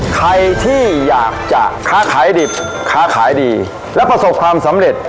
ใครที่อยากจะค้าขายดิบค้าขายดีและประสบความสำเร็จ